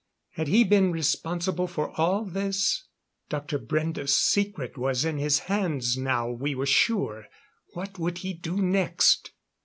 Had he been responsible for all this? Dr. Brende's secret was in his hands now, we were sure. What would he do next?